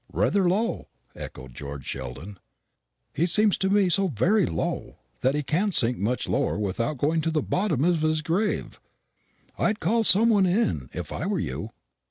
"Rather low!" echoed George Sheldon. "He seems to me so very low, that he can't sink much lower without going to the bottom of his grave. I'd call some one in, if I were you."